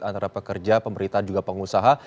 antara pekerja pemerintah juga pengusaha